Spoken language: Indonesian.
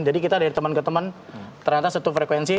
jadi kita dari temen ke temen ternyata setu frekuensi